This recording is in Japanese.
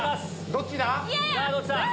どっちだ？